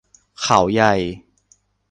เขาใหญ่